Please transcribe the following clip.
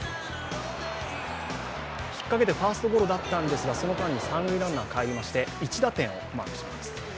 引っかけてファーストゴロだったんですが、その間に三塁ランナーが帰りまして、１打点をマークします。